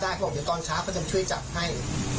เขาบอกเดี๋ยวตอนเช้าก็จะช่วยจับให้